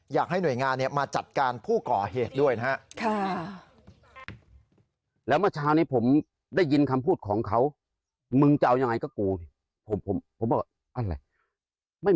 อยากให้หน่วยงานมาจัดการผู้ก่อเหตุด้วยนะครับ